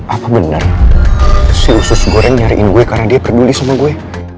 apa benar si usus goreng nyariin gue karena dia peduli sama gue